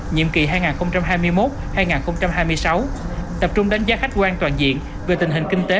nhiệm kỳ hai nghìn hai mươi một hai nghìn hai mươi sáu tập trung đánh giá khách quan toàn diện về tình hình kinh tế